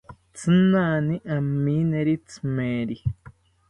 Tzinani amineri tzimeri